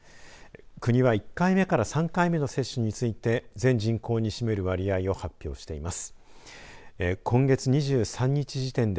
国は１回目から３回目の接種について全人口に占める割合を発表しています。